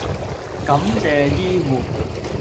感謝醫護